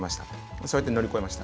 そうやって乗り越えました。